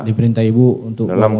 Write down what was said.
diperintah ibu untuk bawa mobil